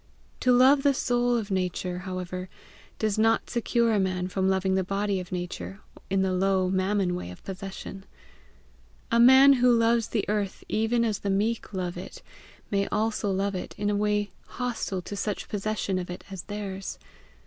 To love the soul of Nature, however, does not secure a man from loving the body of Nature in the low Mammon way of possession. A man who loves the earth even as the meek love it, may also love it in a way hostile to such possession of it as is theirs.